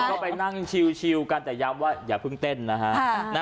ก็ไปนั่งชิวกันแต่ย้ำว่าอย่าเพิ่งเต้นนะฮะ